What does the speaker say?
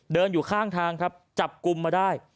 เดินอยู่ข้างทางจับกุมมาได้